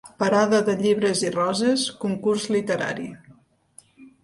Parada de llibres i roses, concurs literari.